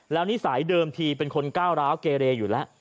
แล้วนิสัยเดิมทีเป็นคนก้าวร้าวเกเรอยู่แล้ว